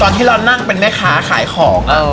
ที่เรานั่งเป็นแม่ค้าขายของ